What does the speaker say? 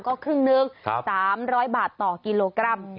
ก็ครึ่งหนึ่ง๓๐๐บาทต่อกิโลกรัม